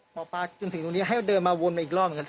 หมอปาจึงสิ่งตรงนี้ให้เดินมาวนมาอีกรอบเหมือนกัน